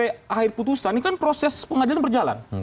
sampai akhir putusan ini kan proses pengadilan berjalan